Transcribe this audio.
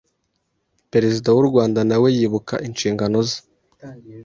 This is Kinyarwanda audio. Perezida w’u Rwanda nawe yibuka inshingano ze